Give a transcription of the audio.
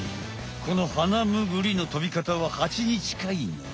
このハナムグリの飛び方はハチに近いのよ。